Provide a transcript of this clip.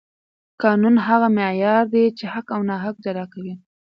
قانون هغه معیار دی چې حق او ناحق جلا کوي